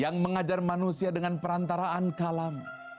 yang mengajar manusia dengan perantaraan kalam